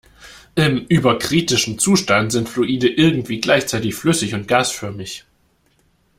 Im überkritischen Zustand sind Fluide irgendwie gleichzeitig flüssig und gasförmig.